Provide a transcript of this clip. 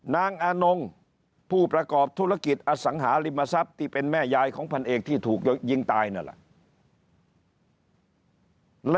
นางอนงผู้ประกอบธุรกิจอสังหาริมทรัพย์ที่เป็นแม่ยายของพันเอกที่ถูกยิงตายนั่นแหละ